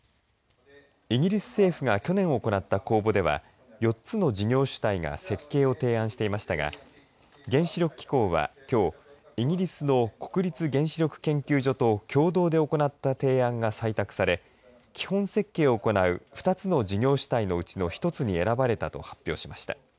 イギリス政府が去年行った公募では４つの事業主体が設計を提案していましたが原子力機構は、きょうイギリスの国立原子力研究所と共同で行った提案が採択され基本設計を行う２つの事業主体のうちの一つに選ばれたと発表しました。